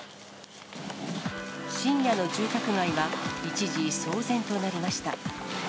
深夜の住宅街は、一時騒然となりました。